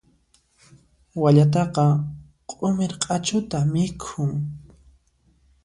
Wallataqa q'umir q'achuta mikhun.